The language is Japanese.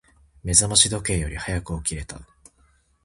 目覚まし時計より早く起きれた。